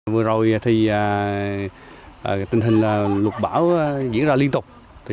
vừa rồi tình hình lục bão diễn ra liên tục